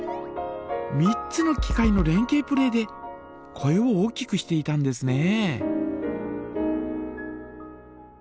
３つの機械の連係プレーで声を大きくしていたんですね。